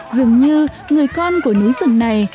dường như người con của núi rừng này